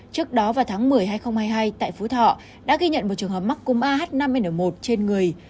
trước đó vào tháng một mươi hai nghìn hai mươi hai tại phú thọ đã ghi nhận một trường hợp mắc cúm ah năm n một trên người